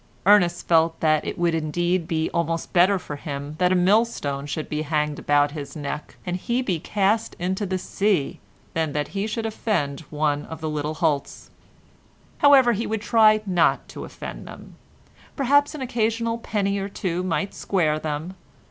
Ernest felt that it would indeed be almost better for him that a millstone should be hanged about his neck, and he cast into the sea, than that he should offend one of the little Holts. However, he would try not to offend them; perhaps an occasional penny or two might square them.